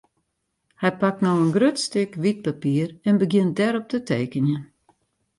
Hy pakt no in grut stik wyt papier en begjint dêrop te tekenjen.